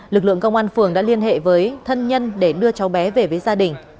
lực lượng công an phường đã liên hệ với thân nhân để đưa cháu bé về với gia đình